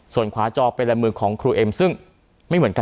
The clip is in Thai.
ส่วนขวาจอเป็นลายมือของครูเอ็มซึ่งไม่เหมือนกัน